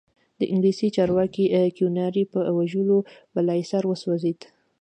د انګلیسي چارواکي کیوناري په وژلو بالاحصار وسوځېد.